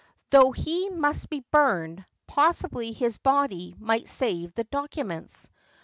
Though he must be burned, possibly his body might save the documents.